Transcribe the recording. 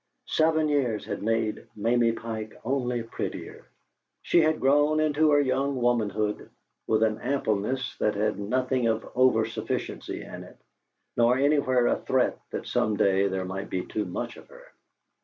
Seven years had made Mamie Pike only prettier. She had grown into her young womanhood with an ampleness that had nothing of oversufficiency in it, nor anywhere a threat that some day there might be too much of her.